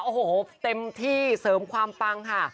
โอ้โหเต็มที่เสริมความปังค่ะ